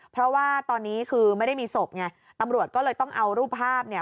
เพราะว่าตอนนี้คือไม่ได้มีศพไงตำรวจก็เลยต้องเอารูปภาพเนี่ย